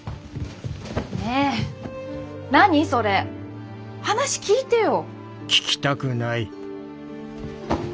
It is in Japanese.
ねえ何それ！話聞いてよ。